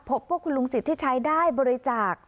พบว่าคุณลุงสิทธิชัยได้บริจาค